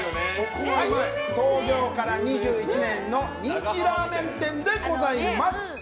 創業から２１年の人気ラーメン店でございます。